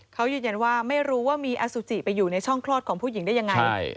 เขายืนยันว่าไม่รู้ว่ามีอสุจิไปอยู่ในช่องคลอดของผู้หญิงได้ยังไง